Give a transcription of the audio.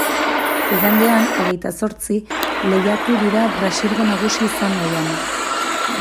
Igandean, hogeita zortzi, lehiatu dira Brasilgo nagusi izan nahian.